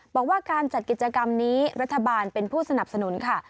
บอกว่าการจัดกิจกรรมนี้รัฐบาลเป็นผู้สนับสนุนค่ะ